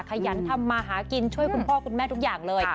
ขยันทำมาหากินช่วยคุณพ่อคุณแม่ทุกอย่างเลย